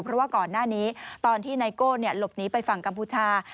เพราะว่าก่อนหน้านี้ตอนที่ไนโก้หลบหนีไปฝั่งกัมพูชา